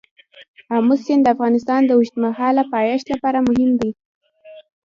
آمو سیند د افغانستان د اوږدمهاله پایښت لپاره مهم دی.